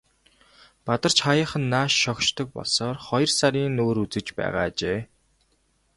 Бадарч хааяахан нааш шогшдог болсоор хоёр сарын нүүр үзэж байгаа ажээ.